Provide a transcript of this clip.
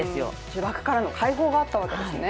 呪縛からの解放があったわけですね